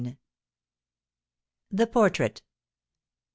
THE PORTRAIT.